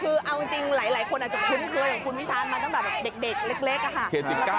คือเอาจริงหลายคนอาจจะคุ้นเคยกับคุณพิชานมาตั้งแต่เด็กเล็กค่ะ